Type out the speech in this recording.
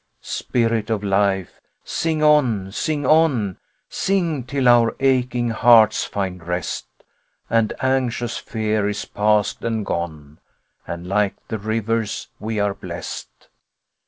Spirit of Life, sing on, sing on; Sing till our aching hearts find rest And anxious fear is past and gone, And like the rivers we are blest.